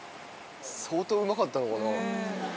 相当うまかったのかな？